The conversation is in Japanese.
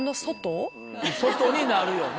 外になるよね。